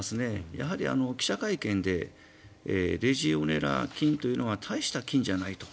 やはり記者会見でレジオネラ菌というのは大した菌じゃないと。